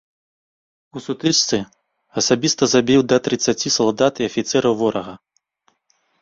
У сутычцы асабіста забіў да трыццаці салдат і афіцэраў ворага.